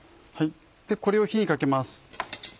これを火にかけます。